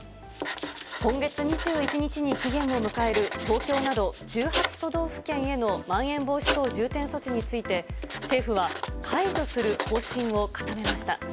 今月２１日に期限を迎える東京など、１８都道府県へのまん延防止等重点措置について、政府は解除する方針を固めました。